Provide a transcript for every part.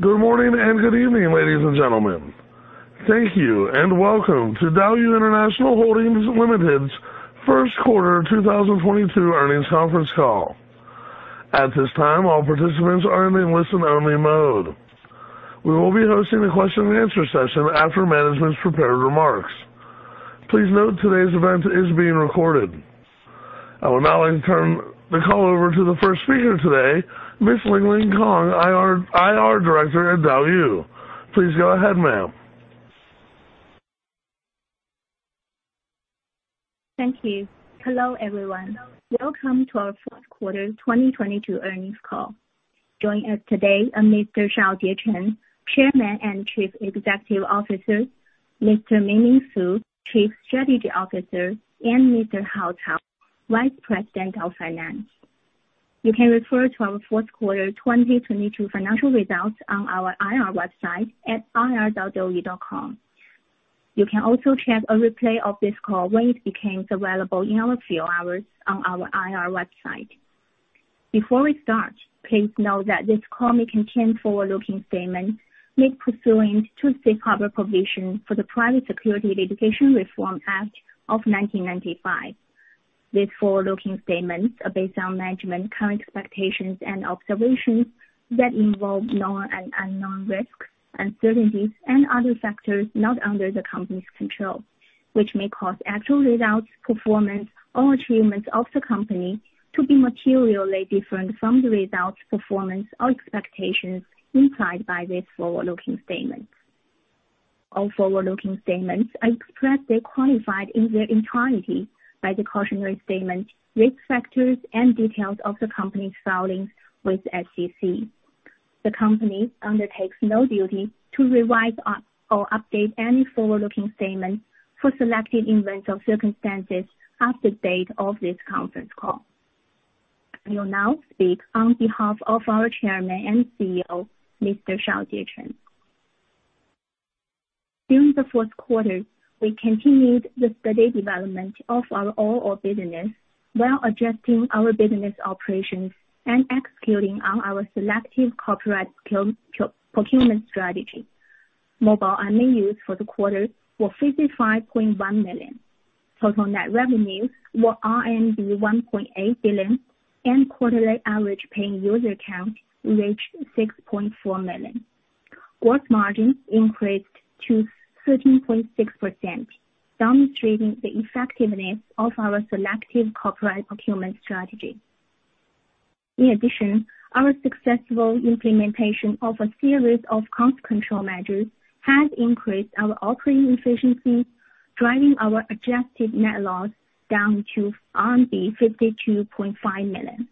Good morning and good evening, ladies and gentlemen. Thank you and welcome to DouYu International Holdings Limited's first quarter 2022 earnings conference call. At this time, all participants are in listen-only mode. We will be hosting a question and answer session after management's prepared remarks. Please note today's event is being recorded. I would now like to turn the call over to the first speaker today, Miss Lingling Kong, IR Director at DouYu. Please go ahead, ma'am. Thank you. Hello, everyone. Welcome to our fourth quarter 2022 earnings call. Joining us today are Mr. Shaojie Chen, Chairman and Chief Executive Officer, Mr. Mingming Su, Chief Strategy Officer, and Mr. Hao Cao, Vice President of Finance. You can refer to our fourth quarter 2022 financial results on our IR website at ir.douyu.com. You can also check a replay of this call when it becomes available in a few hours on our IR website. Before we start, please know that this call may contain forward-looking statements made pursuant to safe harbor provisions for the Private Securities Litigation Reform Act of 1995. These forward-looking statements are based on management's current expectations and observations that involve known and unknown risks, uncertainties and other factors not under the company's control, which may cause actual results, performance or achievements of the company to be materially different from the results, performance or expectations implied by these forward-looking statements. All forward-looking statements are qualified in their entirety by the cautionary statement, risk factors and details of the company's filings with SEC. The company undertakes no duty to revise or update any forward-looking statement for selected events or circumstances as the date of this conference call. I will now speak on behalf of our Chairman and CEO, Mr. Shaojie Chen. During the fourth quarter, we continued the steady development of our overall business while adjusting our business operations and executing on our selective copyright procurement strategy. Mobile MAUs for the quarter were 55.1 million. Total net revenues were RMB 1.8 billion and quarterly average paying user count reached 6.4 million. Gross margin increased to 13.6%, demonstrating the effectiveness of our selective copyright procurement strategy. In addition, our successful implementation of a series of cost control measures has increased our operating efficiency, driving our adjusted net loss down to 52.5 million.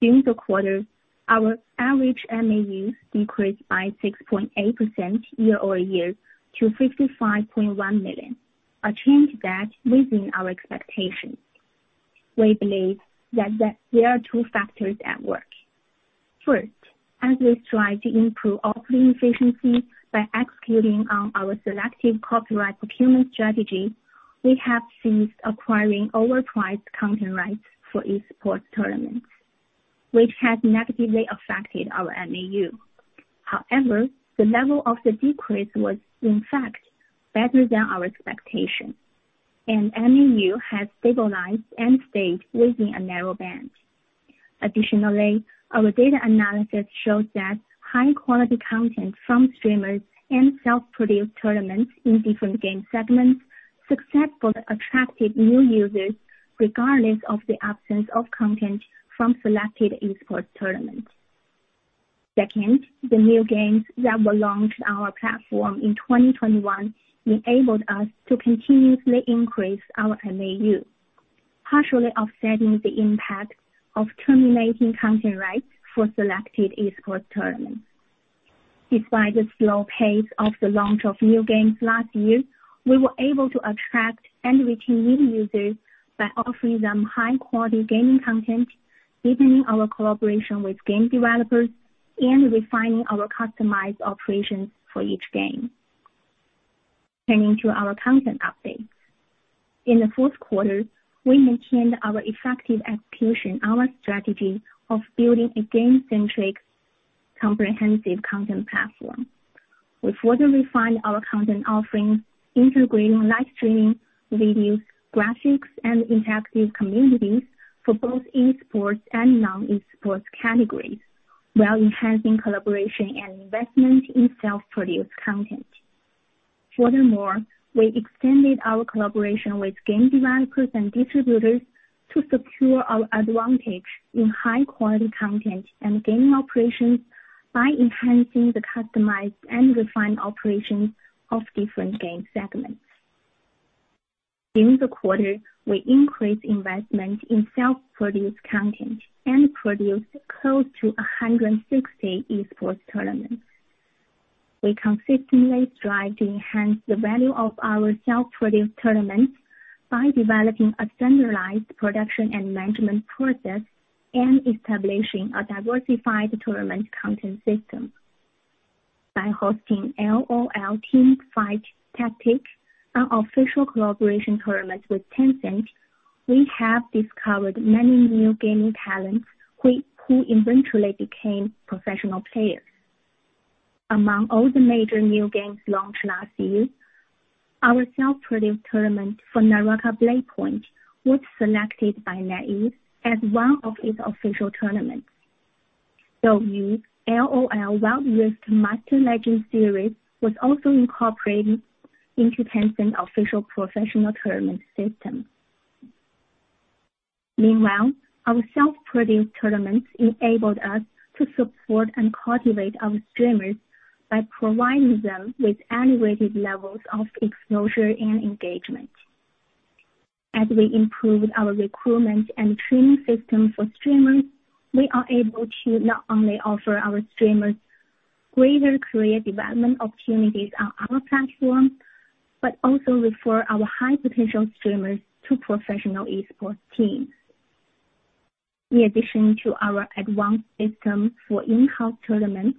During the quarter, our average MAUs decreased by 6.8% year-over-year to 55.1 million, a change that is within our expectations. We believe that there are two factors at work. First, as we strive to improve operating efficiency by executing on our selective copyright procurement strategy, we have ceased acquiring overpriced content rights for esports tournaments, which has negatively affected our MAU. However, the level of the decrease was in fact better than our expectation, and MAU has stabilized and stayed within a narrow band. Additionally, our data analysis shows that high quality content from streamers and self-produced tournaments in different game segments successfully attracted new users regardless of the absence of content from selected esports tournaments. Second, the new games that were launched on our platform in 2021 enabled us to continuously increase our MAU, partially offsetting the impact of terminating content rights for selected esports tournaments. Despite the slow pace of the launch of new games last year, we were able to attract and retain new users by offering them high quality gaming content, deepening our collaboration with game developers and refining our customized operations for each game. Turning to our content updates. In the fourth quarter, we maintained our effective execution, our strategy of building a game-centric, comprehensive content platform. We further refined our content offerings, integrating live streaming, videos, graphics and interactive communities for both esports and non-esports categories, while enhancing collaboration and investment in self-produced content. Furthermore, we extended our collaboration with game developers and distributors to secure our advantage in high quality content and gaming operations by enhancing the customized and refined operations of different game segments. During the quarter, we increased investment in self-produced content and produced close to 160 esports tournaments. We consistently strive to enhance the value of our self-produced tournaments by developing a standardized production and management process and establishing a diversified tournament content system. By hosting LOL Teamfight Tactics, our official collaboration tournament with Tencent, we have discovered many new gaming talents who eventually became professional players. Among all the major new games launched last year, our self-produced tournament for Naraka: Bladepoint was selected by NetEase as one of its official tournaments. With LOL Wild Rift Master Legends series was also incorporated into Tencent official professional tournament system. Meanwhile, our self-produced tournaments enabled us to support and cultivate our streamers by providing them with elevated levels of exposure and engagement. As we improved our recruitment and training system for streamers, we are able to not only offer our streamers greater career development opportunities on our platform, but also refer our high potential streamers to professional e-sports teams. In addition to our advanced system for in-house tournaments,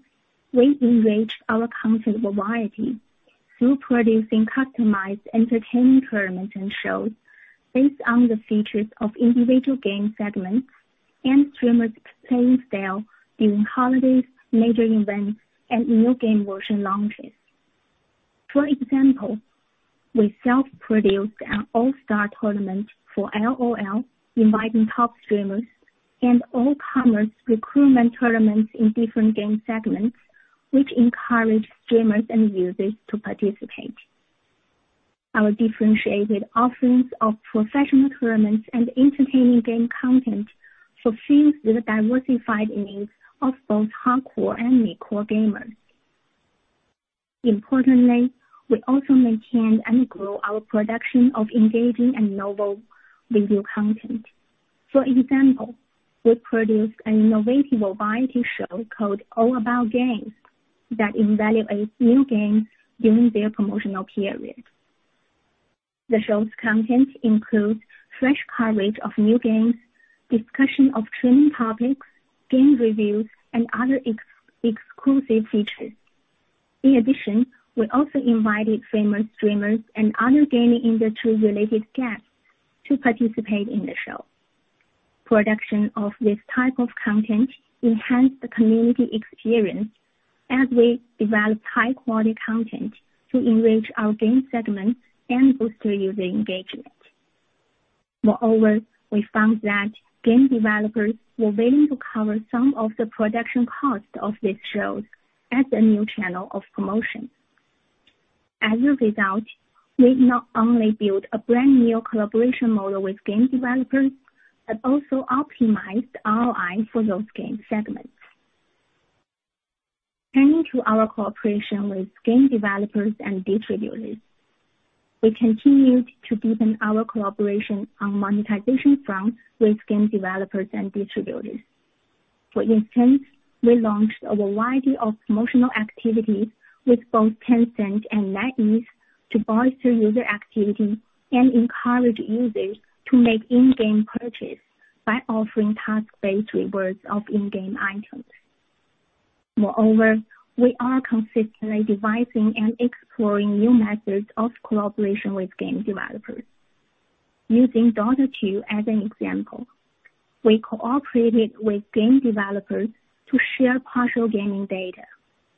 we engaged our content variety through producing customized entertainment tournaments and shows based on the features of individual game segments and streamers playing style during holidays, major events, and new game version launches. For example, we self-produced an all-star tournament for LOL, inviting top streamers and all-comers recruitment tournaments in different game segments, which encouraged streamers and users to participate. Our differentiated offerings of professional tournaments and entertaining game content fulfills the diversified needs of both hardcore and mid-core gamers. Importantly, we also maintained and grew our production of engaging and novel video content. For example, we produced an innovative variety show called All About Games that evaluates new games during their promotional period. The show's content includes fresh coverage of new games, discussion of trending topics, game reviews, and other exclusive features. In addition, we also invited famous streamers and other gaming industry-related guests to participate in the show. Production of this type of content enhanced the community experience as we developed high-quality content to enrich our game segments and boost user engagement. Moreover, we found that game developers were willing to cover some of the production costs of these shows as a new channel of promotion. As a result, we not only built a brand new collaboration model with game developers, but also optimized ROI for those game segments. Turning to our cooperation with game developers and distributors. We continued to deepen our collaboration on monetization front with game developers and distributors. For instance, we launched a variety of promotional activities with both Tencent and NetEase to bolster user activity and encourage users to make in-game purchase by offering task-based rewards of in-game items. Moreover, we are consistently devising and exploring new methods of collaboration with game developers. Using Dota 2 as an example, we cooperated with game developers to share partial gaming data.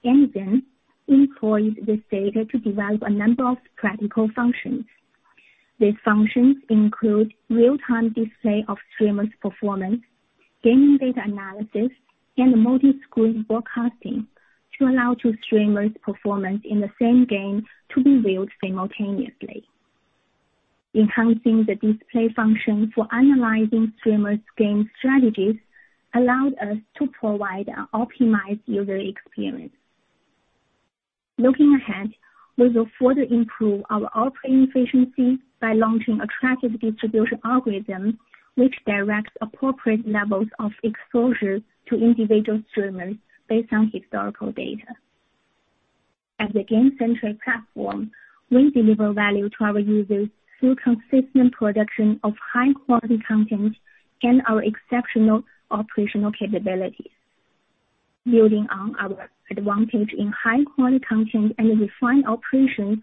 Game developers employ this data to develop a number of practical functions. These functions include real-time display of streamers' performance, gaming data analysis, and multi-screen broadcasting to allow two streamers' performance in the same game to be viewed simultaneously. Enhancing the display function for analyzing streamers' game strategies allowed us to provide an optimized user experience. Looking ahead, we will further improve our operating efficiency by launching attractive distribution algorithms, which directs appropriate levels of exposure to individual streamers based on historical data. As a game-centric platform, we deliver value to our users through consistent production of high-quality content and our exceptional operational capabilities. Building on our advantage in high-quality content and refined operations,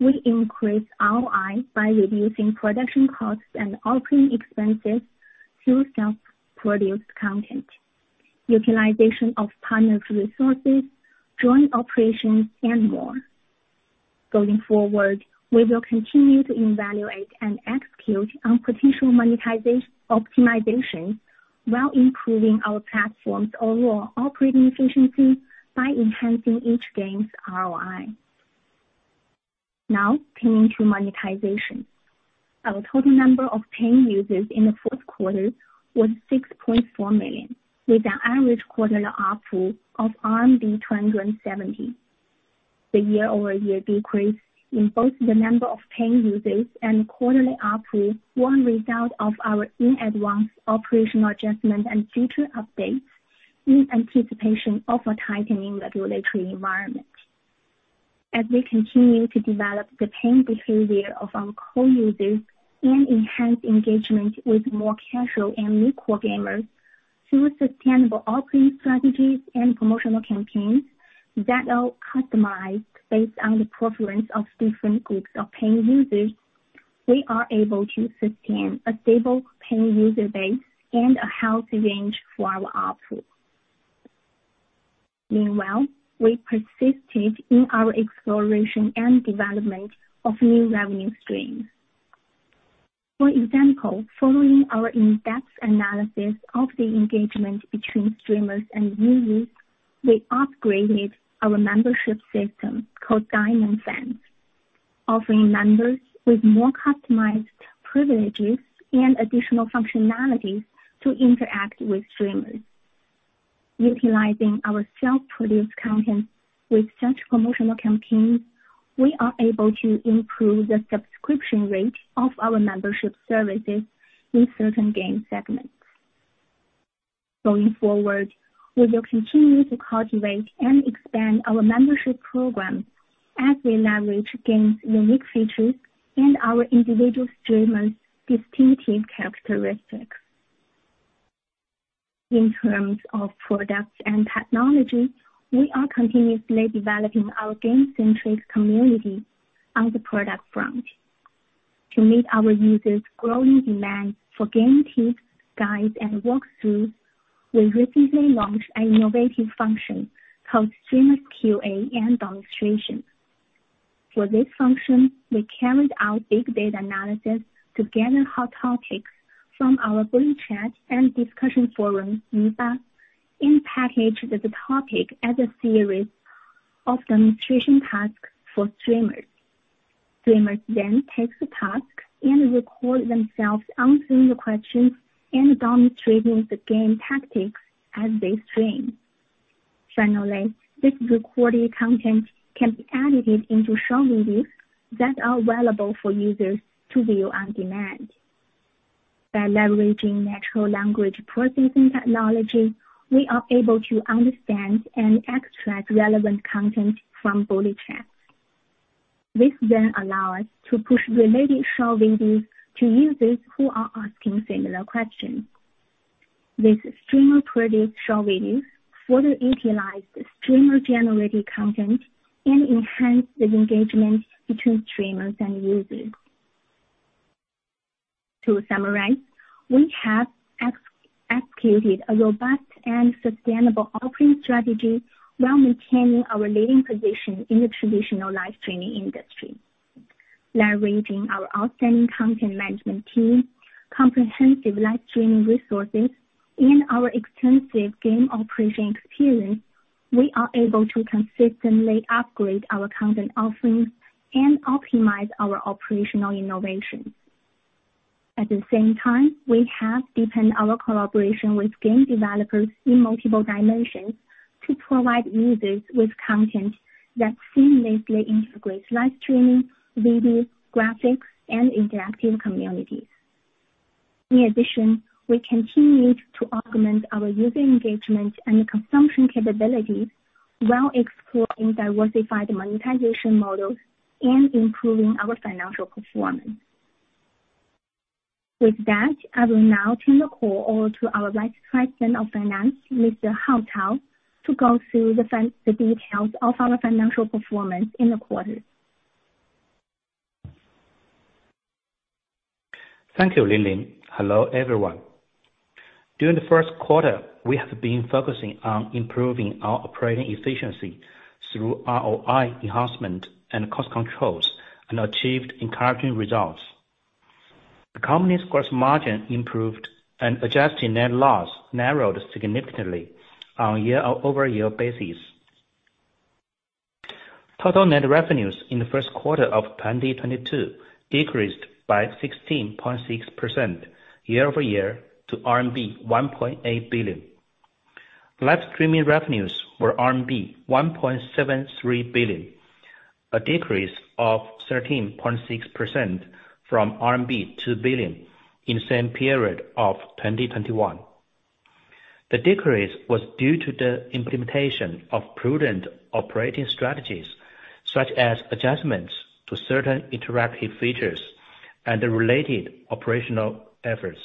we increase ROI by reducing production costs and operating expenses through self-produced content, utilization of partner resources, joint operations, and more. Going forward, we will continue to evaluate and execute on potential optimization while improving our platform's overall operating efficiency by enhancing each game's ROI. Now, turning to monetization. Our total number of paying users in the fourth quarter was 6.4 million, with an average quarterly ARPU of RMB 270. The year-over-year decrease in both the number of paying users and quarterly ARPU were a result of our in advance operational adjustment and feature updates in anticipation of a tightening regulatory environment. As we continue to develop the paying behavior of our core users and enhance engagement with more casual and new core gamers through sustainable operating strategies and promotional campaigns that are customized based on the preference of different groups of paying users, we are able to sustain a stable paying user base and a healthy range for our ARPU. Meanwhile, we persisted in our exploration and development of new revenue streams. For example, following our in-depth analysis of the engagement between streamers and users, we upgraded our membership system called Diamond Fans, offering members with more customized privileges and additional functionalities to interact with streamers. Utilizing our self-produced content with such promotional campaigns, we are able to improve the subscription rate of our membership services in certain game segments. Going forward, we will continue to cultivate and expand our membership program as we leverage game's unique features and our individual streamers' distinctive characteristics. In terms of products and technology, we are continuously developing our game-centric community on the product front. To meet our users' growing demand for game tips, guides, and walkthroughs, we recently launched an innovative function called Streamers QA and Demonstration. For this function, we carried out big data analysis to gather hot topics from our bullet chat and discussion forum, Yuba, and package the topic as a series of demonstration tasks for streamers. Streamers then take the task and record themselves answering the questions and demonstrating the game tactics as they stream. Finally, this recorded content can be edited into show videos that are available for users to view on demand. By leveraging natural language processing technology, we are able to understand and extract relevant content from bullet chats. This then allow us to push related show videos to users who are asking similar questions. This streamer-produced show videos further utilize the streamer-generated content and enhance the engagement between streamers and users. To summarize, we have executed a robust and sustainable operating strategy while maintaining our leading position in the traditional live streaming industry. Leveraging our outstanding content management team, comprehensive live streaming resources, and our extensive game operation experience, we are able to consistently upgrade our content offerings and optimize our operational innovations. At the same time, we have deepened our collaboration with game developers in multiple dimensions to provide users with content that seamlessly integrates live streaming, video, graphics, and interactive communities. In addition, we continued to augment our user engagement and consumption capabilities while exploring diversified monetization models and improving our financial performance. With that, I will now turn the call over to our Vice President of Finance, Mr. Hao Cao, to go through the details of our financial performance in the quarter. Thank you, Lingling. Hello, everyone. During the first quarter, we have been focusing on improving our operating efficiency through ROI enhancement and cost controls, and achieved encouraging results. The company's gross margin improved and adjusted net loss narrowed significantly on a year-over-year basis. Total net revenues in the first quarter of 2022 decreased by 16.6% year-over-year to RMB 1.8 billion. Live streaming revenues were RMB 1.73 billion, a decrease of 13.6% from RMB 2 billion in the same period of 2021. The decrease was due to the implementation of prudent operating strategies, such as adjustments to certain interactive features and the related operational efforts.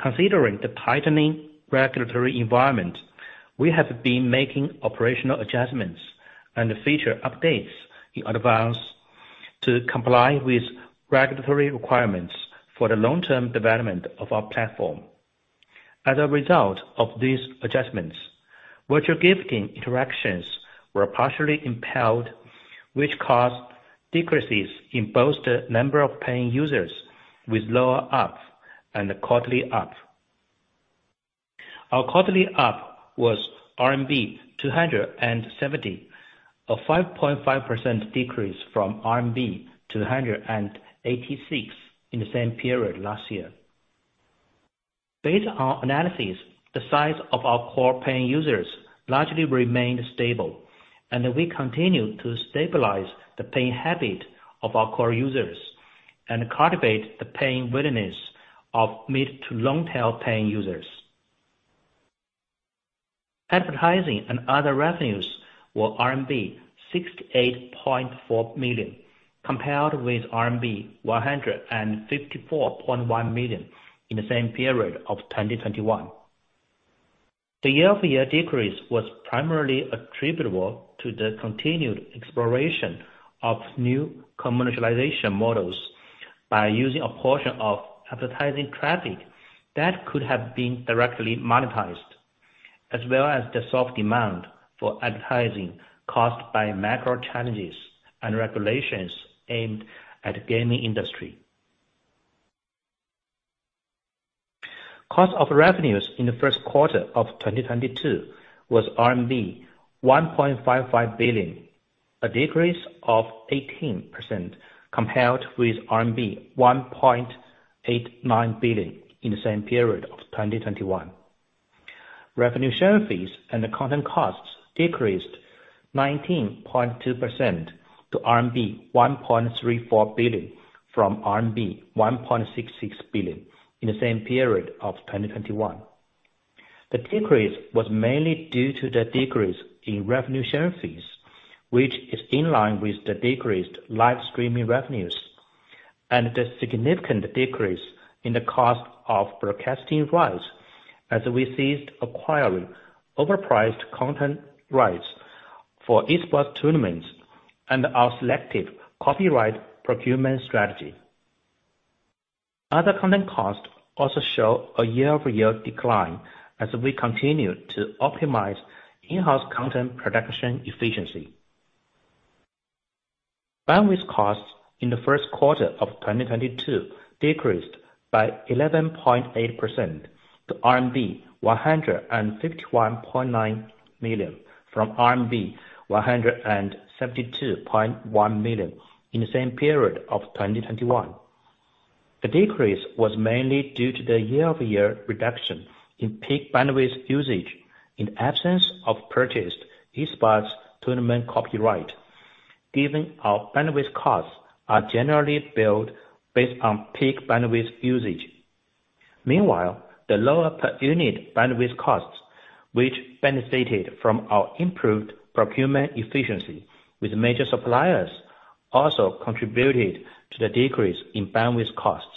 Considering the tightening regulatory environment, we have been making operational adjustments and feature updates in advance to comply with regulatory requirements for the long-term development of our platform. As a result of these adjustments, virtual gifting interactions were partially impaired, which caused decreases in both the number of paying users with lower ARPU and quarterly ARPU. Our quarterly ARPU was RMB 270, a 5.5% decrease from RMB 286 in the same period last year. Based on analysis, the size of our core paying users largely remained stable, and we continue to stabilize the paying habit of our core users and cultivate the paying willingness of mid to long-tail paying users. Advertising and other revenues were RMB 68.4 million, compared with RMB 154.1 million in the same period of 2021. The year-over-year decrease was primarily attributable to the continued exploration of new commercialization models by using a portion of advertising traffic that could have been directly monetized, as well as the soft demand for advertising caused by macro challenges and regulations aimed at gaming industry. Cost of revenues in the first quarter of 2022 was RMB 1.55 billion, a decrease of 18% compared with RMB 1.89 billion in the same period of 2021. Revenue share fees and the content costs decreased 19.2% to RMB 1.34 billion from RMB 1.66 billion in the same period of 2021. The decrease was mainly due to the decrease in revenue share fees, which is in line with the decreased live streaming revenues and the significant decrease in the cost of broadcasting rights as we ceased acquiring overpriced content rights for esports tournaments and our selective copyright procurement strategy. Other content costs also show a year-over-year decline as we continue to optimize in-house content production efficiency. Bandwidth costs in the first quarter of 2022 decreased by 11.8% to RMB 151.9 million from RMB 172.1 million in the same period of 2021. The decrease was mainly due to the year-over-year reduction in peak bandwidth usage in absence of purchased esports tournament copyright, given our bandwidth costs are generally billed based on peak bandwidth usage. Meanwhile, the lower per unit bandwidth costs, which benefited from our improved procurement efficiency with major suppliers, also contributed to the decrease in bandwidth costs.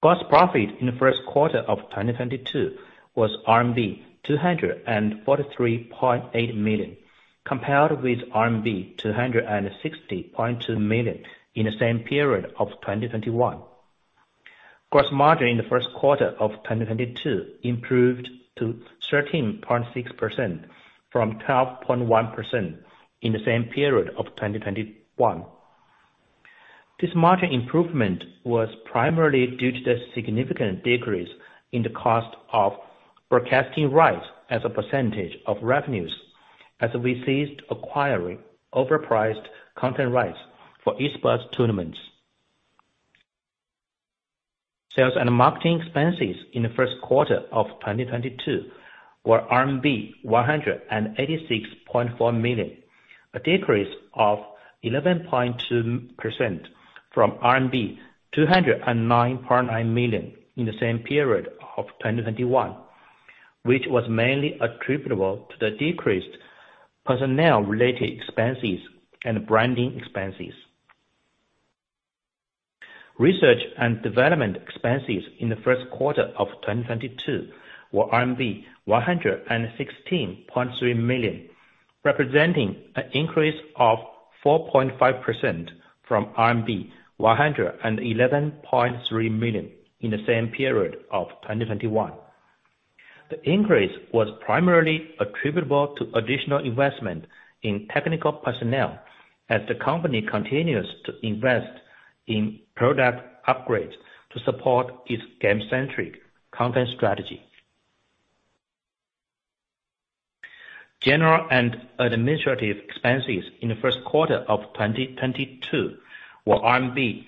Gross profit in the first quarter of 2022 was RMB 243.8 million, compared with RMB 260.2 million in the same period of 2021. Gross margin in the first quarter of 2022 improved to 13.6% from 12.1% in the same period of 2021. This margin improvement was primarily due to the significant decrease in the cost of broadcasting rights as a percentage of revenues as we ceased acquiring overpriced content rights for esports tournaments. Sales and marketing expenses in the first quarter of 2022 were RMB 186.4 million, a decrease of 11.2% from RMB 209.9 million in the same period of 2021, which was mainly attributable to the decreased personnel-related expenses and branding expenses. Research and development expenses in the first quarter of 2022 were RMB 116.3 million, representing an increase of 4.5% from RMB 111.3 million in the same period of 2021. The increase was primarily attributable to additional investment in technical personnel as the company continues to invest in product upgrades to support its game-centric content strategy. General and administrative expenses in the first quarter of 2022 were RMB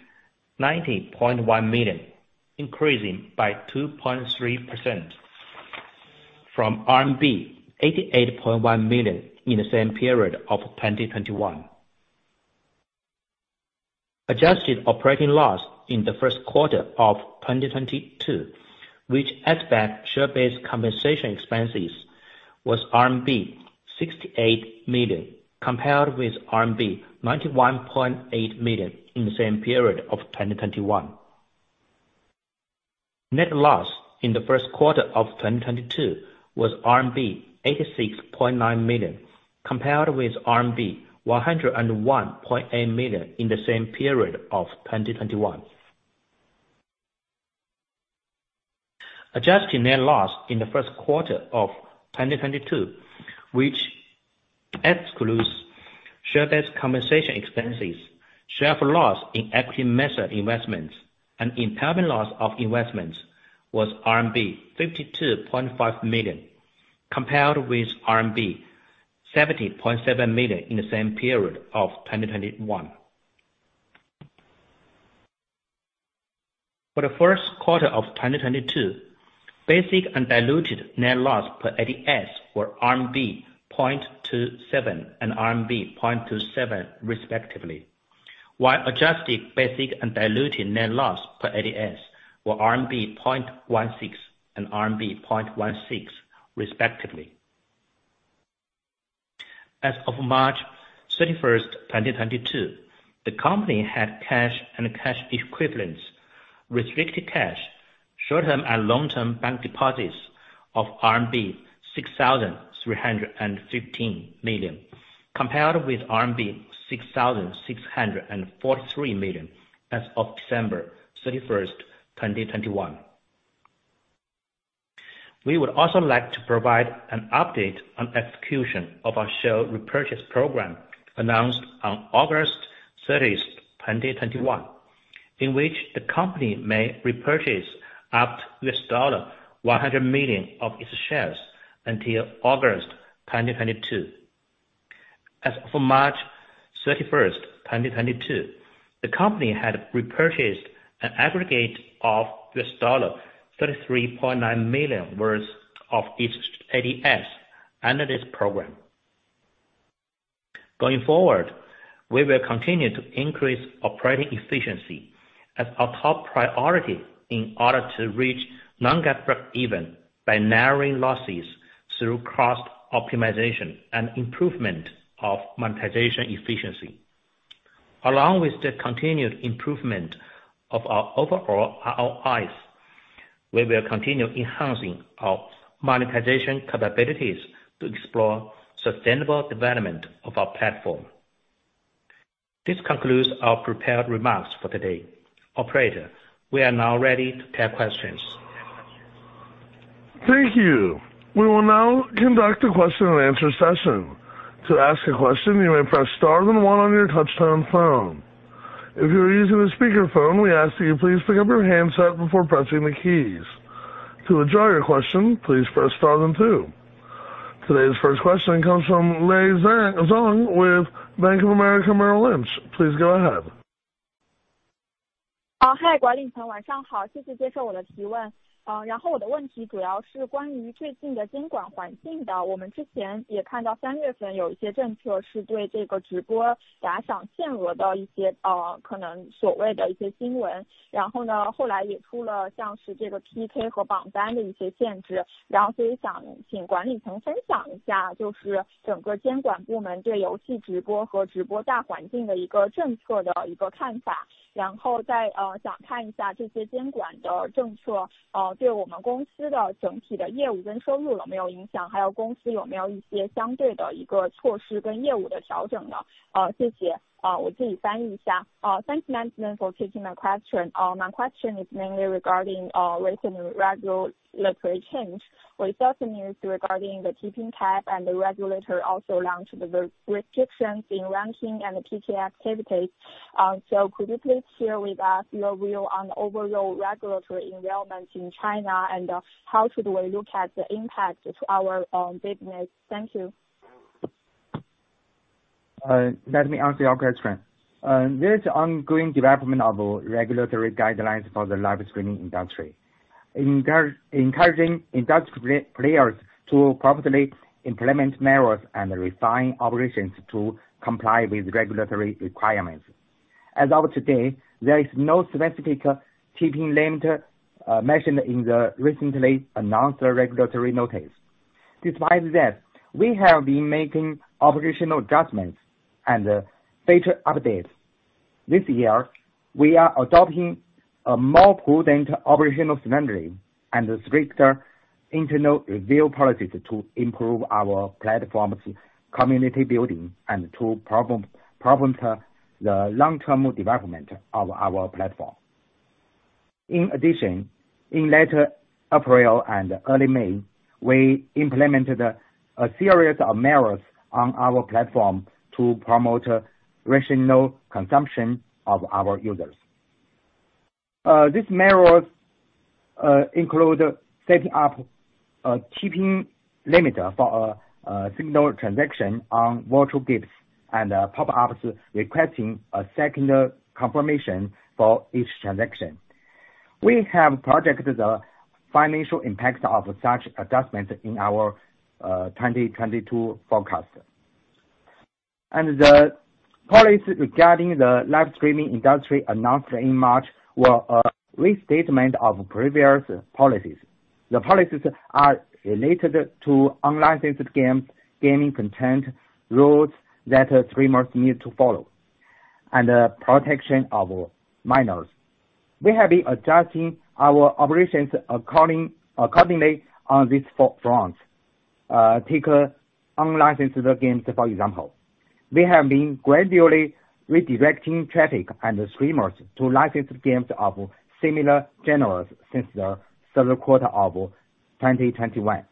90.1 million, increasing by 2.3% from RMB 88.1 million in the same period of 2021. Adjusted operating loss in the first quarter of 2022, which adds back share-based compensation expenses, was RMB 68 million, compared with RMB 91.8 million in the same period of 2021. Net loss in the first quarter of 2022 was RMB 86.9 million, compared with RMB 101.8 million in the same period of 2021. Adjusted net loss in the first quarter of 2022, which excludes share-based compensation expenses, share of loss in equity method investments and impairment loss of investments, was RMB 52.5 million, compared with RMB 70.7 million in the same period of 2021. For the first quarter of 2022, basic and diluted net loss per ADS were RMB 0.27 and RMB 0.27 respectively. While adjusted basic and diluted net loss per ADS were RMB 0.16 and RMB 0.16 respectively. As of March 31, 2022, the company had cash and cash equivalents, restricted cash, short-term and long-term bank deposits of RMB 6,315 million compared with RMB 6,643 million as of December 31, 2021. We would also like to provide an update on execution of our share repurchase program announced on August 30, 2021, in which the company may repurchase up to $100 million of its shares until August 2022. As of March 31, 2022, the company had repurchased an aggregate of $33.9 million worth of its ADS under this program. Going forward, we will continue to increase operating efficiency as our top priority in order to reach non-GAAP break-even by narrowing losses through cost optimization and improvement of monetization efficiency. Along with the continued improvement of our overall ROIs, we will continue enhancing our monetization capabilities to explore sustainable development of our platform. This concludes our prepared remarks for today. Operator, we are now ready to take questions. Thank you. We will now conduct a question and answer session. To ask a question, you may press star then one on your touchtone phone. If you are using a speaker phone, we ask that you please pick up your handset before pressing the keys. To withdraw your question, please press star then two. Today's first question comes from Lei Zhang with Bank of America Merrill Lynch. Please go ahead. Hi, Let me answer your question. There is ongoing development of regulatory guidelines for the live streaming industry. Encouraging industry players to promptly implement measures and refine operations to comply with regulatory requirements. As of today, there is no specific tipping limit, mentioned in the recently announced regulatory notice. Despite that, we have been making operational adjustments and feature updates. This year we are adopting a more prudent operational standard and a stricter internal review policy to improve our platform's community building and to promote the long-term development of our platform. In addition, in late April and early May, we implemented a series of measures on our platform to promote rational consumption of our users. These measures include setting up a tipping limit for single transaction on virtual gifts and pop-ups requesting a second confirmation for each transaction. We have projected the financial impact of such adjustments in our 2022 forecast. The policies regarding the live streaming industry announced in March were a restatement of previous policies. The policies are related to unlicensed games, gaming content, rules that streamers need to follow, and protection of minors. We have been adjusting our operations accordingly on this front. Take unlicensed games, for example. We have been gradually redirecting traffic and streamers to licensed games of similar genres since the third quarter of 2021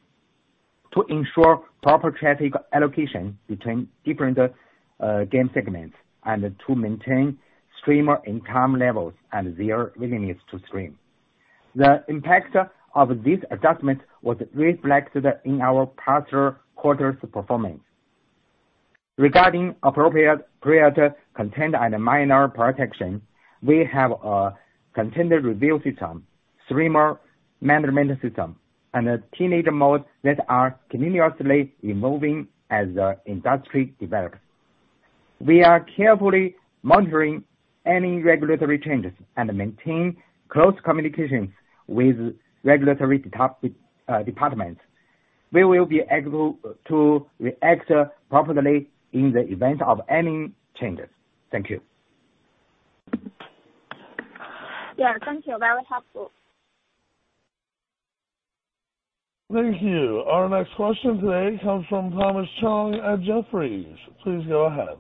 to ensure proper traffic allocation between different game segments and to maintain streamer income levels and their willingness to stream. The impact of this adjustment was reflected in our past quarters' performance. Regarding appropriate creator content and minor protection, we have a content review system, streamer management system, and a teenager mode that are continuously evolving as the industry develops. We are carefully monitoring any regulatory changes and maintain close communications with regulatory departments. We will be able to react properly in the event of any changes. Thank you. Yeah, thank you. Very helpful. Thank you. Our next question today comes from Thomas Chong at Jefferies. Please go ahead.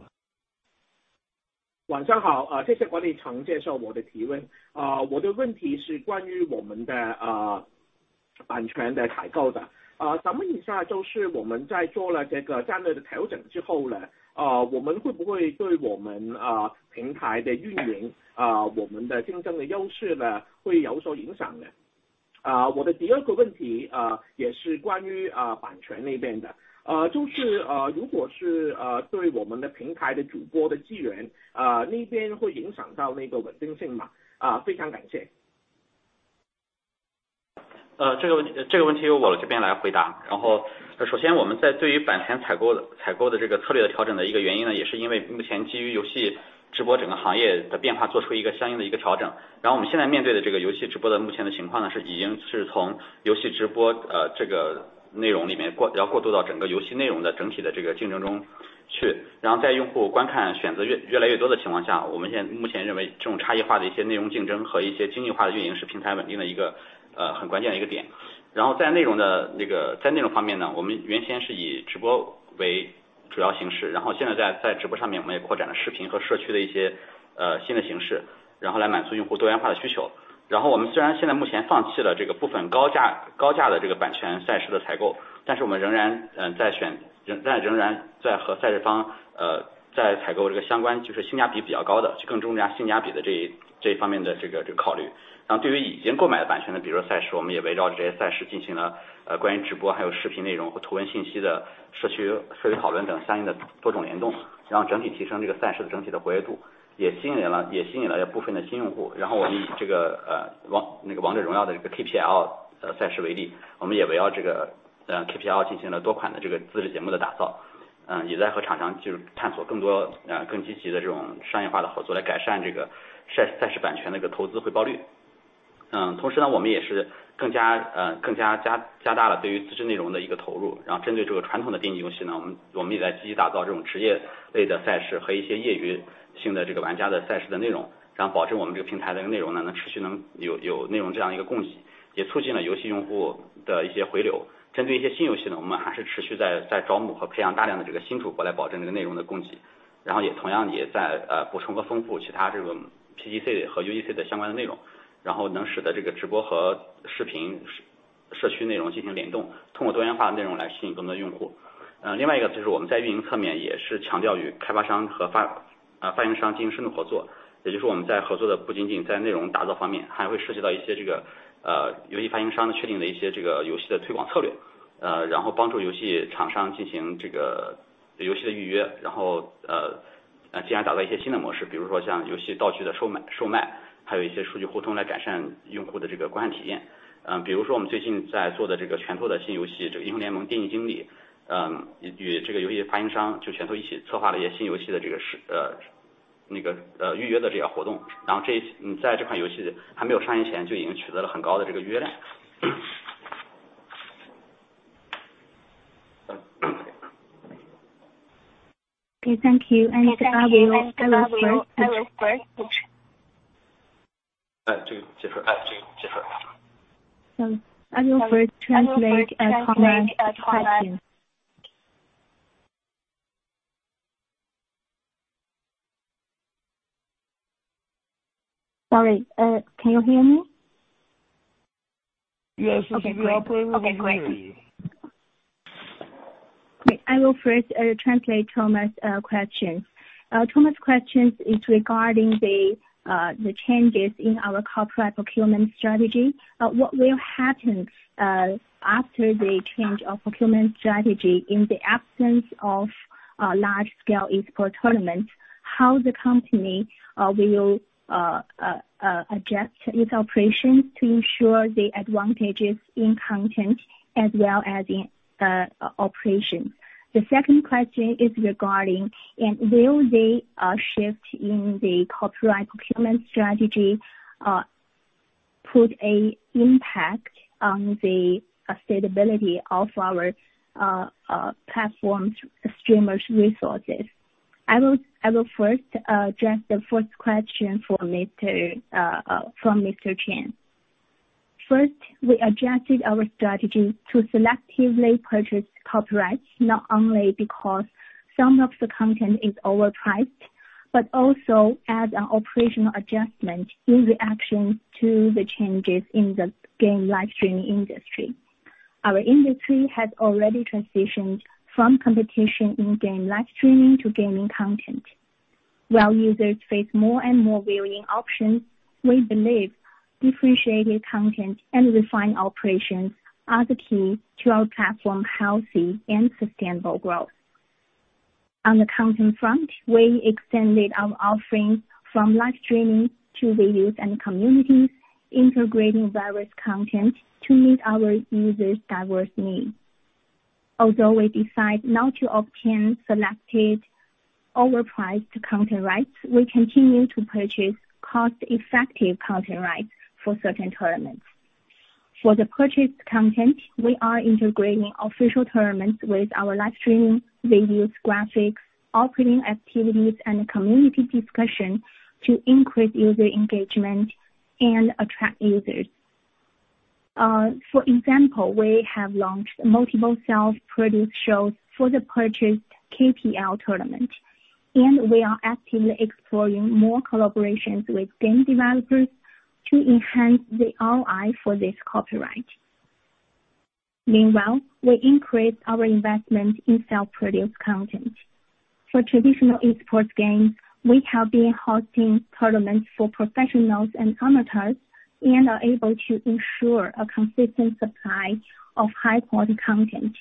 Okay, thank you. I will first.。I will first translate a comment question. Sorry, can you hear me? Yes. Great. I will first translate Thomas Chong's question. Thomas Chong's question is regarding the changes in our copyright procurement strategy. What will happen after the change of procurement strategy in the absence of a large-scale esports tournament, how the company will adjust its operations to ensure the advantages in content as well as in operations. The second question is, will the shift in the copyright procurement strategy have an impact on the sustainability of our platform streamers' resources. I will first address the first question from Mr. Chen. First, we adjusted our strategy to selectively purchase copyrights, not only because some of the content is overpriced, but also as an operational adjustment in reaction to the changes in the game live streaming industry. Our industry has already transitioned from competition in game live streaming to gaming content, while users face more and more varying options. We believe differentiated content and refined operations are the key to our platform's healthy and sustainable growth. On the content front, we extended our offerings from live streaming to videos and communities integrating various content to meet our users' diverse needs. Although we decide not to obtain selected overpriced content rights, we continue to purchase cost-effective content rights for certain tournaments. For the purchased content, we are integrating official tournaments with our live streaming videos, graphics, operating activities, and community discussion to increase user engagement and attract users. For example, we have launched multiple self-produced shows for the purchased KPL tournament, and we are actively exploring more collaborations with game developers to enhance the ROI for this content right. Meanwhile, we increased our investment in self-produced content. For traditional esports games, we have been hosting tournaments for professionals and amateurs and are able to ensure a consistent supply of high-quality content,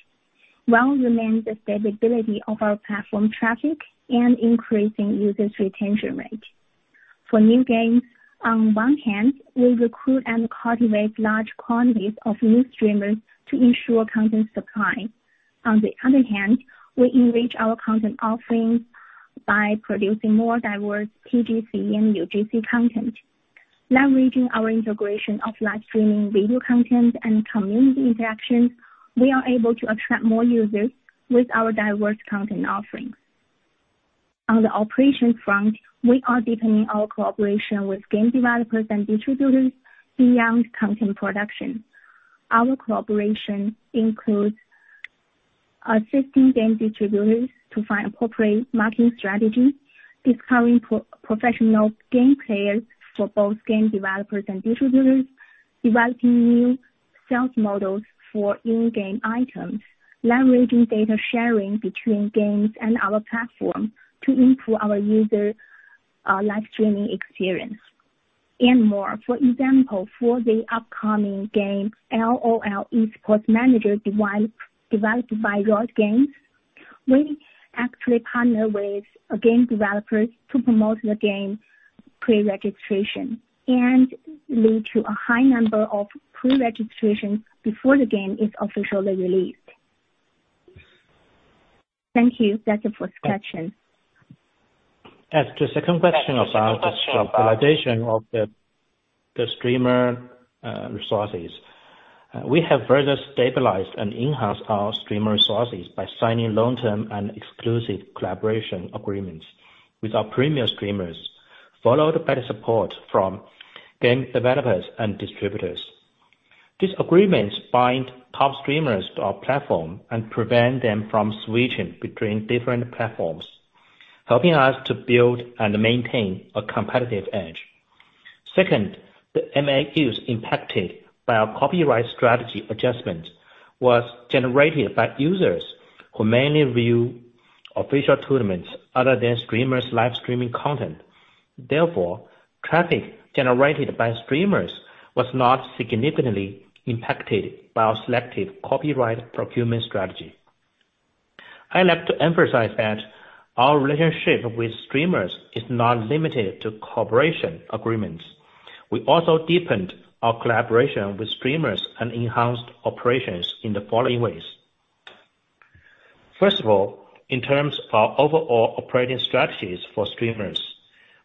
while maintaining the stability of our platform traffic and increasing users' retention rate. For new games, on one hand, we recruit and cultivate large quantities of new streamers to ensure content supply. On the other hand, we enrich our content offerings by producing more diverse PGC and UGC content. Leveraging our integration of live streaming video content and community interactions, we are able to attract more users with our diverse content offerings. On the operation front, we are deepening our collaboration with game developers and distributors beyond content production. Our collaboration includes assisting game distributors to find appropriate marketing strategies, discovering professional game players for both game developers and distributors, developing new sales models for in-game items, leveraging data sharing between games and our platform to improve our user live streaming experience, and more. For example, for the upcoming game LoL Esports Manager developed by Riot Games, we actually partner with game developers to promote the game pre-registration and lead to a high number of pre-registrations before the game is officially released. Thank you. That's it for question. As to second question about the stabilization of the streamer resources. We have further stabilized and enhanced our streamer resources by signing long-term and exclusive collaboration agreements with our premium streamers, followed by support from game developers and distributors. These agreements bind top streamers to our platform and prevent them from switching between different platforms, helping us to build and maintain a competitive edge. Second, the MAUs impacted by our copyright strategy adjustment was generated by users who mainly view official tournaments other than streamers' live streaming content. Therefore, traffic generated by streamers was not significantly impacted by our selective copyright procurement strategy. I'd like to emphasize that our relationship with streamers is not limited to cooperation agreements. We also deepened our collaboration with streamers and enhanced operations in the following ways. First of all, in terms of our overall operating strategies for streamers,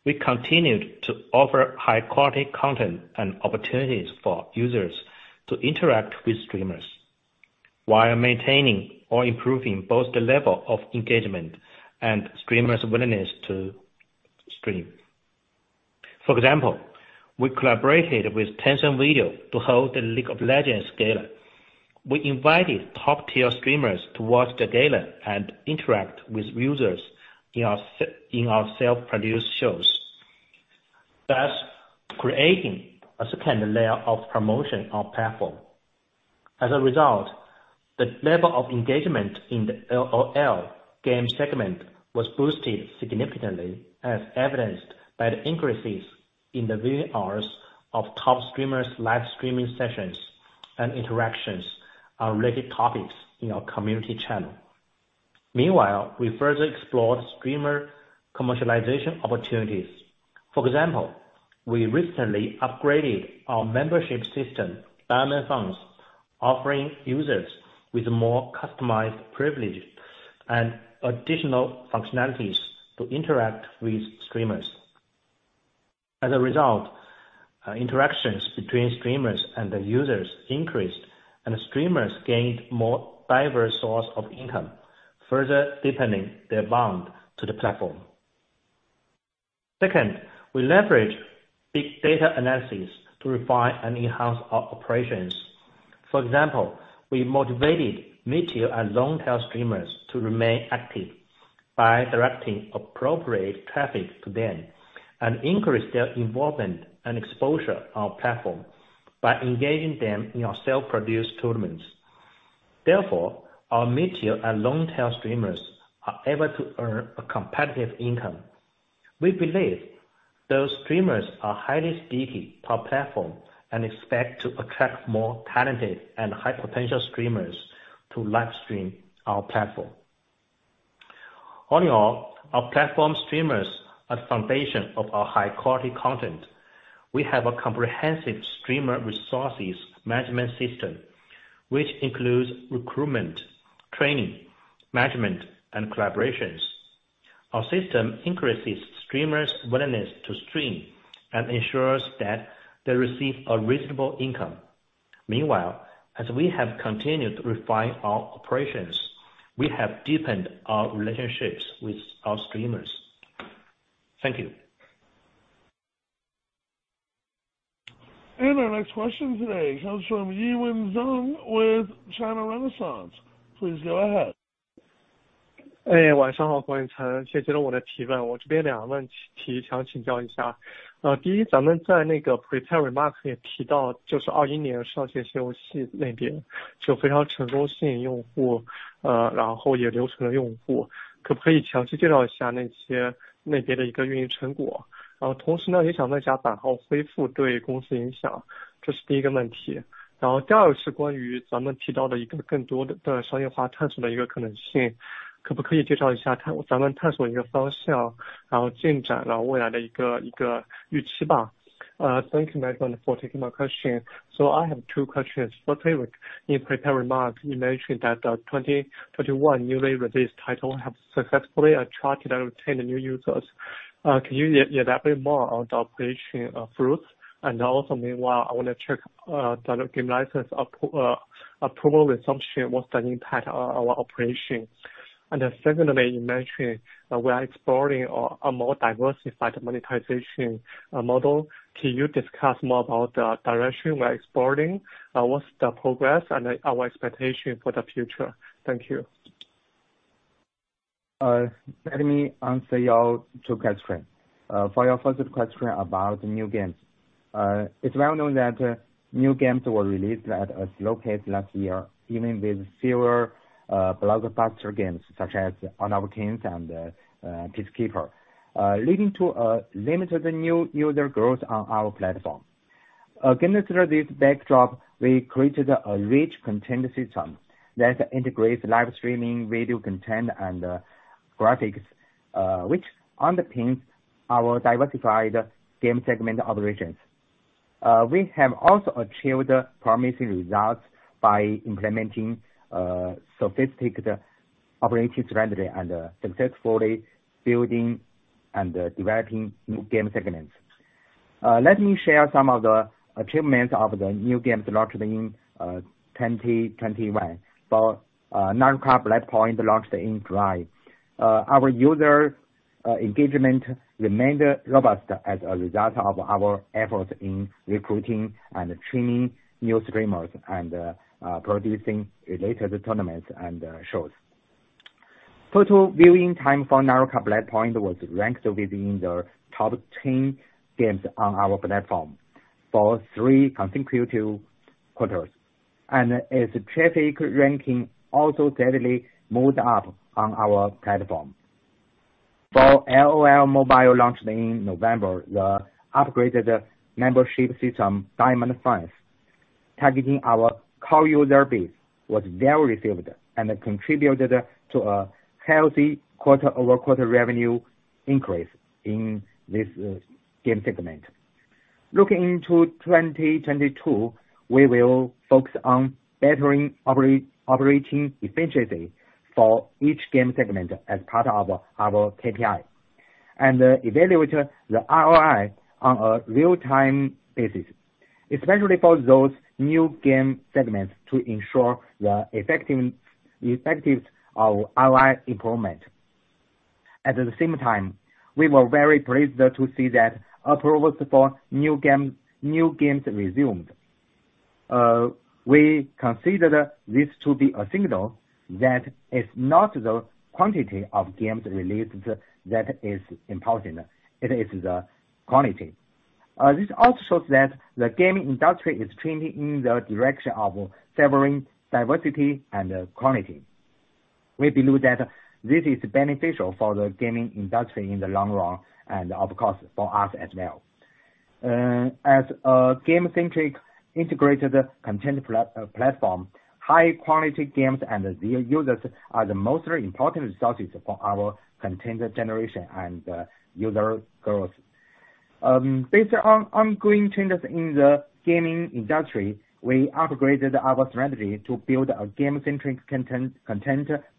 we continued to offer high-quality content and opportunities for users to interact with streamers while maintaining or improving both the level of engagement and streamers' willingness to stream. For example, we collaborated with Tencent Video to hold the League of Legends Gala. We invited top-tier streamers to watch the gala and interact with users in our self-produced shows, thus creating a second layer of promotion on the platform. As a result, the level of engagement in the LOL game segment was boosted significantly, as evidenced by the increases in the viewing hours of top streamers' live streaming sessions and interactions on related topics in our community channel. Meanwhile, we further explored streamer commercialization opportunities. For example, we recently upgraded our membership system, Diamond Fans, offering users with more customized privileges and additional functionalities to interact with streamers. As a result, interactions between streamers and the users increased, and streamers gained more diverse source of income, further deepening their bond to the platform. Second, we leverage big data analysis to refine and enhance our operations. For example, we motivated mid-tier and long-tail streamers to remain active by directing appropriate traffic to them, and increased their involvement and exposure on our platform by engaging them in our self-produced tournaments. Therefore, our mid-tier and long-tail streamers are able to earn a competitive income. We believe those streamers are highly sticky to our platform and expect to attract more talented and high-potential streamers to live stream our platform. All in all, our platform streamers are the foundation of our high quality content. We have a comprehensive streamer resources management system, which includes recruitment, training, management, and collaborations. Our system increases streamers' willingness to stream and ensures that they receive a reasonable income. Meanwhile, as we have continued to refine our operations, we have deepened our relationships with our streamers. Thank you. Our next question today comes from Yiwen Zhang with China Renaissance. Please go ahead. Thank you very much for taking my question. I have two questions. In the prepared remarks, you mentioned that 2021 newly released titles have successfully attracted and retained new users. Can you elaborate more on the operational results? I want to check the game license approval resumption, what's the impact on our operations? You mentioned that we are exploring a more diversified monetization model. Can you discuss more about the direction we are exploring? What's the progress and our expectation for the future? Thank you. Let me answer your two questions. For your first question about new games. It's well known that new games were released at a slow pace last year, even with fewer blockbuster games such as Honor of Kings and Peacekeeper Elite, leading to a limited new user growth on our platform. Against this backdrop, we created a rich content system that integrates live streaming, video content and graphics, which underpins our diversified game segment operations. We have also achieved promising results by implementing sophisticated operations strategy and successfully building and developing new game segments. Let me share some of the achievements of the new games launched in 2021. For Naraka: Bladepoint, launched in July, our user engagement remained robust as a result of our efforts in recruiting and training new streamers and producing related tournaments and shows. Total viewing time for Naraka: Bladepoint was ranked within the top 10 games on our platform for three consecutive quarters, and its traffic ranking also steadily moved up on our platform. For LOL Mobile launched in November, the upgraded membership system, Diamond Fans, targeting our core user base, was well received and contributed to a healthy quarter-over-quarter revenue increase in this game segment. Looking into 2022, we will focus on bettering operating efficiency for each game segment as part of our KPI and evaluate the ROI on a real-time basis, especially for those new game segments to ensure the effective ROI improvement. At the same time, we were very pleased to see that approvals for new games resumed. We consider this to be a signal that it's not the quantity of games released that is important, it is the quality. This also shows that the gaming industry is trending in the direction of favoring diversity and quality. We believe that this is beneficial for the gaming industry in the long run, and of course for us as well. As a game-centric integrated content platform, high quality games and their users are the most important resources for our content generation and user growth. Based on ongoing trends in the gaming industry, we upgraded our strategy to build a game-centric content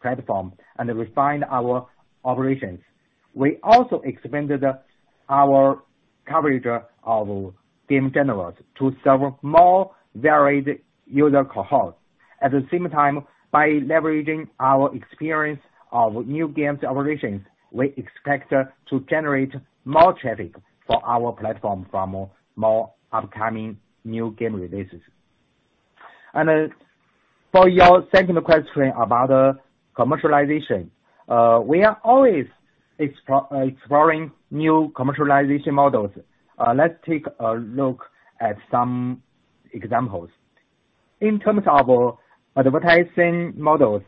platform and refined our operations. We also expanded our coverage of game genres to serve more varied user cohorts. At the same time, by leveraging our experience of new games operations, we expect to generate more traffic for our platform from more upcoming new game releases. For your second question about commercialization, we are always exploring new commercialization models. Let's take a look at some examples. In terms of advertising models,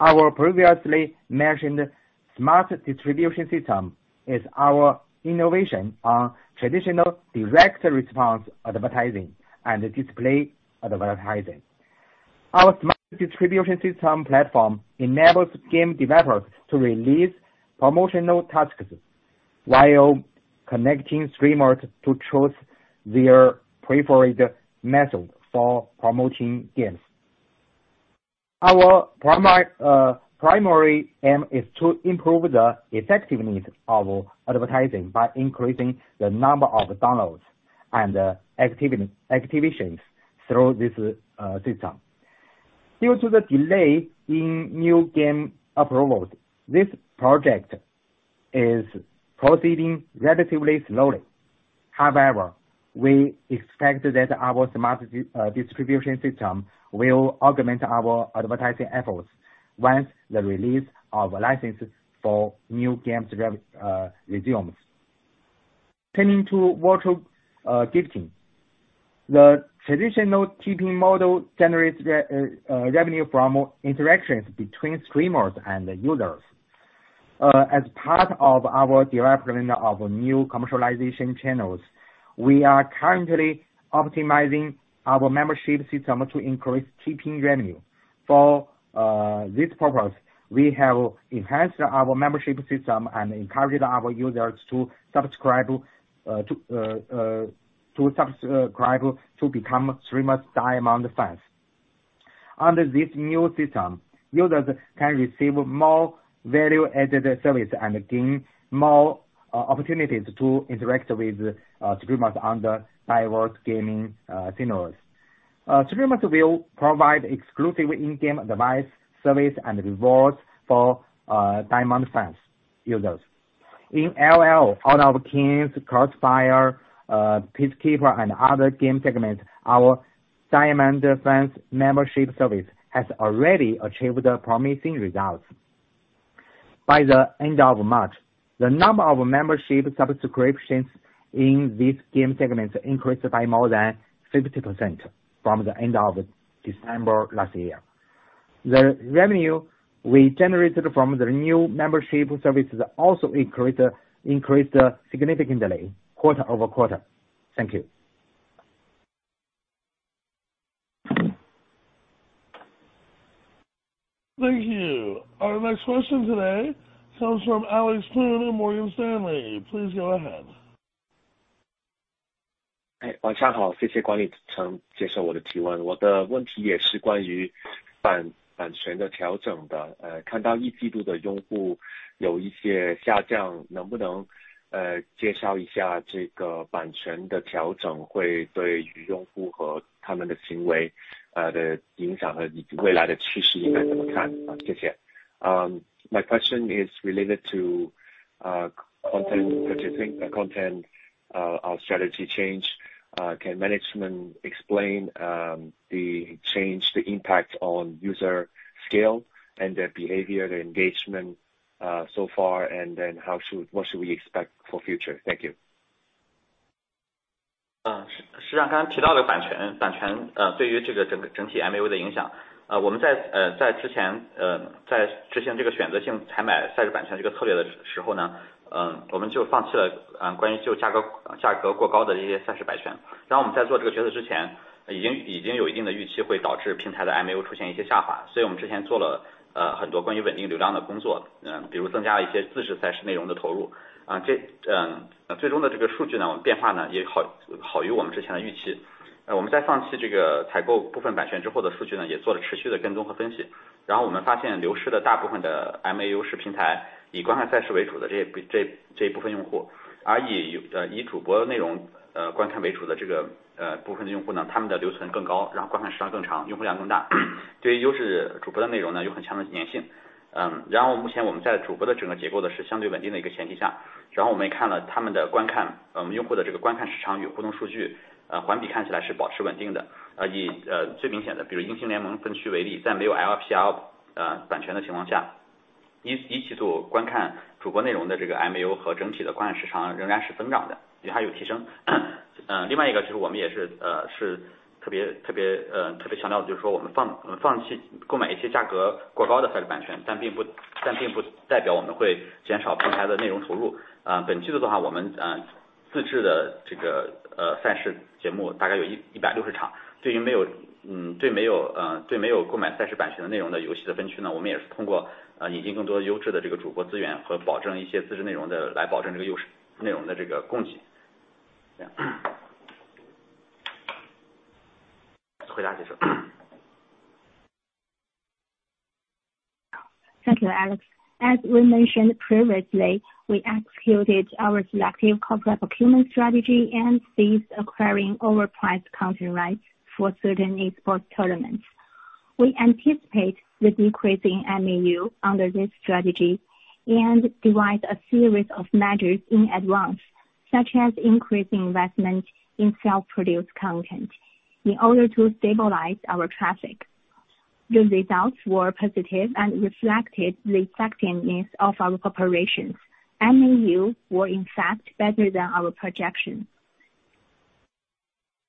our previously mentioned smart distribution system is our innovation on traditional direct response advertising and display advertising. Our smart distribution system platform enables game developers to release promotional tasks while connecting streamers to choose their preferred method for promoting games. Our primary aim is to improve the effectiveness of advertising by increasing the number of downloads and activations through this system. Due to the delay in new game approvals, this project is proceeding relatively slowly. However, we expect that our smart distribution system will augment our advertising efforts once the release of licenses for new games resumes. Turning to virtual gifting. The traditional tipping model generates revenue from interactions between streamers and users. As part of our development of new commercialization channels, we are currently optimizing our membership system to increase tipping revenue. For this purpose, we have enhanced our membership system and encouraged our users to subscribe to become streamers' Diamond Fans. Under this new system, users can receive more value-added service and gain more opportunities to interact with streamers under diverse gaming scenarios. Streamers will provide exclusive in-game device service and rewards for Diamond Fans users. In LoL, Honor of Kings, CrossFire, Peacekeeper Elite and other game segments, our Diamond Fans membership service has already achieved promising results. By the end of March, the number of membership subscriptions in these game segments increased by more than 50% from the end of December last year. The revenue we generated from the new membership services also increased significantly quarter-over-quarter. Thank you. Thank you. Our next question today comes from Alex Poon in Morgan Stanley. Please go ahead. My question is related to content purchasing content strategy change. Can management explain the change, the impact on user scale and their behavior, their engagement so far, and then what should we expect for future? Thank you. Uh, Thank you, Alex. As we mentioned previously, we executed our selective corporate procurement strategy and ceased acquiring overpriced content rights for certain esports tournaments. We anticipate the decrease in MAU under this strategy and devised a series of measures in advance, such as increased investment in self-produced content in order to stabilize our traffic. The results were positive and reflected the effectiveness of our operations. MAU were in fact better than our projections.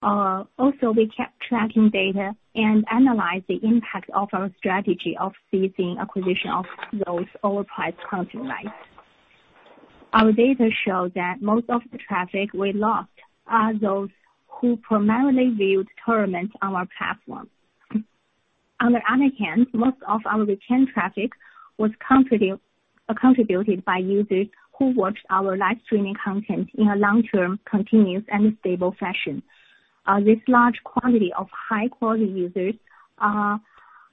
Also, we kept tracking data and analyzed the impact of our strategy of ceasing acquisition of those overpriced content rights. Our data show that most of the traffic we lost are those who primarily viewed tournaments on our platform. On the other hand, most of our retained traffic was contributed by users who watched our live streaming content in a long-term, continuous, and stable fashion. This large quantity of high-quality users are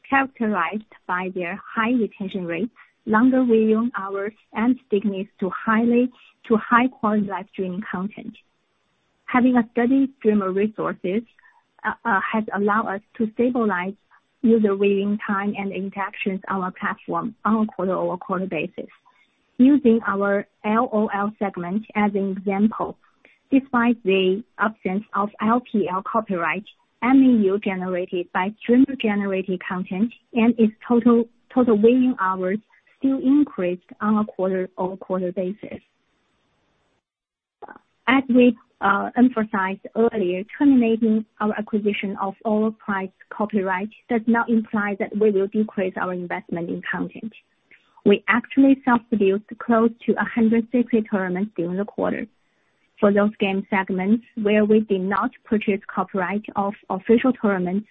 characterized by their high retention rate, longer viewing hours, and stickiness to high-quality live streaming content. Having a steady stream of resources has allowed us to stabilize user viewing time and interactions on our platform on a quarter-over-quarter basis. Using our LOL segment as an example, despite the absence of LPL copyright, MAU generated by streamer-generated content and its total viewing hours still increased on a quarter-over-quarter basis. As we emphasized earlier, terminating our acquisition of all priced copyrights does not imply that we will decrease our investment in content. We actually self-produced close to 160 tournaments during the quarter. For those game segments where we did not purchase copyright of official tournaments,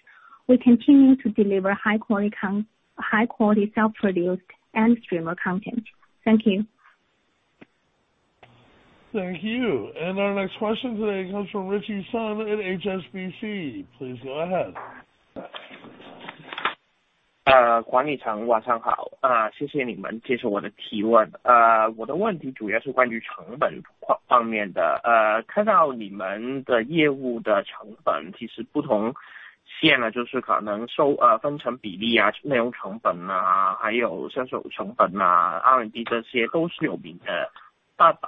we continue to deliver high quality self-produced and streamer content. Thank you. Thank you. Our next question today comes from Ritchie Sun at HSBC. Please go ahead. I'll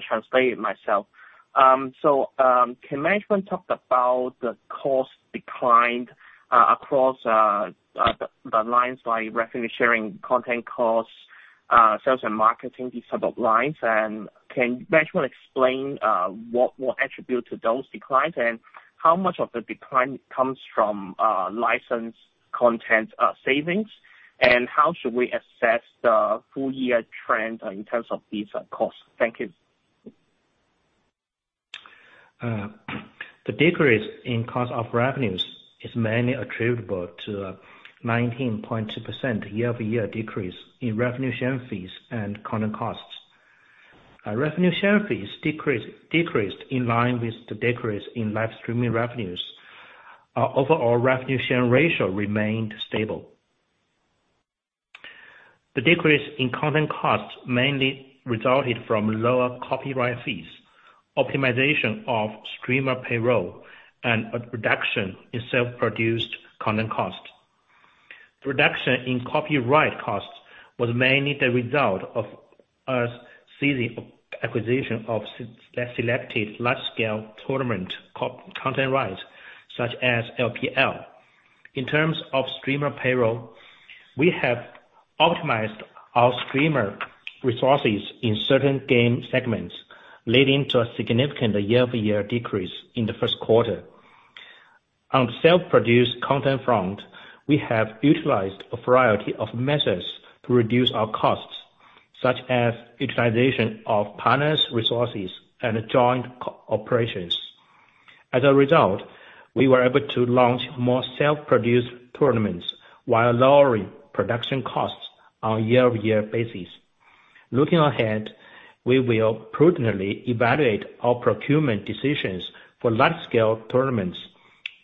translate it myself. Can management talk about the cost declined across the lines like revenue sharing, content costs, sales and marketing, these type of lines? Can management explain what will attribute to those declines? How much of the decline comes from license content savings? How should we assess the full year trend in terms of these costs? Thank you. The decrease in cost of revenues is mainly attributable to a 19.2% year-over-year decrease in revenue share fees and content costs. Our revenue share fees decreased in line with the decrease in live streaming revenues. Our overall revenue share ratio remained stable. The decrease in content costs mainly resulted from lower copyright fees, optimization of streamer payroll, and a reduction in self-produced content costs. The reduction in copyright costs was mainly the result of us ceasing acquisition of selected large-scale tournament content rights, such as LPL. In terms of streamer payroll, we have optimized our streamer resources in certain game segments, leading to a significant year-over-year decrease in the first quarter. On self-produced content front, we have utilized a variety of methods to reduce our costs, such as utilization of partners' resources and joint co-operations. As a result, we were able to launch more self-produced tournaments while lowering production costs on a year-over-year basis. Looking ahead, we will prudently evaluate our procurement decisions for large-scale tournaments,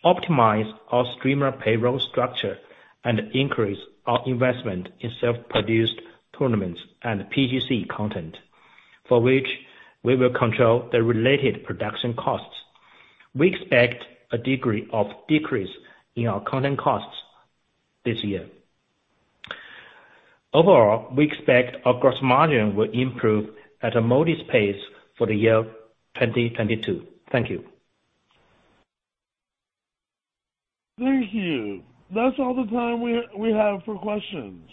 optimize our streamer payroll structure, and increase our investment in self-produced tournaments and PGC content, for which we will control the related production costs. We expect a degree of decrease in our content costs this year. Overall, we expect our gross margin will improve at a modest pace for the year 2022. Thank you. Thank you. That's all the time we have for questions.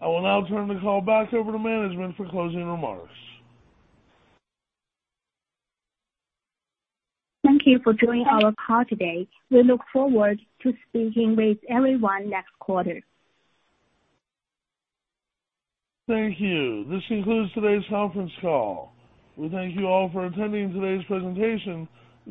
I will now turn the call back over to management for closing remarks. Thank you for joining our call today. We look forward to speaking with everyone next quarter. Thank you. This concludes today's conference call. We thank you all for attending today's presentation. You